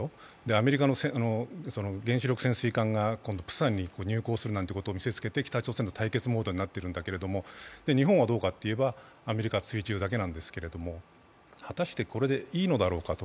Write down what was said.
アメリカの原子力潜水艦が今度プサンに入港することを見せつけて北朝鮮の対決モードになっているんだけれども、日本はどうかというと、アメリカ追従だけなんですけれども果たしてこれでいいのだろうかと。